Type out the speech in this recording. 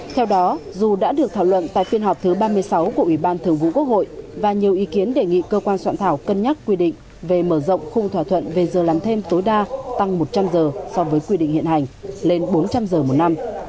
theo đó dù đã được thảo luận tại phiên họp thứ ba mươi sáu của ủy ban thường vụ quốc hội và nhiều ý kiến đề nghị cơ quan soạn thảo cân nhắc quy định về mở rộng khung thỏa thuận về giờ làm thêm tối đa tăng một trăm linh giờ so với quy định hiện hành lên bốn trăm linh giờ một năm